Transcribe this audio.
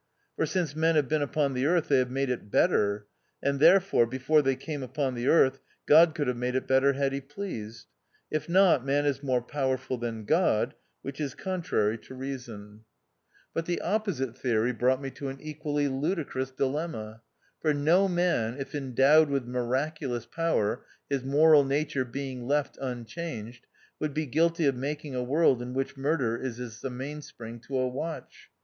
For since men have been upon the earth they have made it better ; and therefore, before they came upon the earth, God could have made it better had he pleased. If not, man is more power ful than God, which is contrary to reason. 2 4 o THE OUTCAST. But the opposite theory brought me to an equally ludicrous dilemma. For no man, if endowed with miraculous power, his moral nature being left unchanged, would be guilty of making a world in which mur der is as the mainspring to a watch.